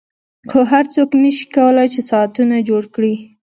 خو هر څوک نشي کولای چې ساعتونه جوړ کړي